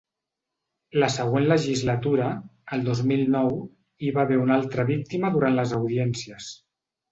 La següent legislatura, el dos mil nou, hi va haver una altra víctima durant les audiències.